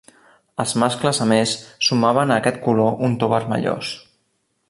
Els mascles a més sumaven a aquest color un to vermellós.